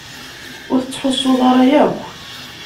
Ur tettḥussuḍ ara yakk.